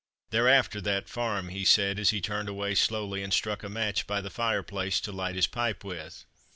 "They're after that farm," he said, as he turned away slowly and struck a match by the fireplace to light his pipe with.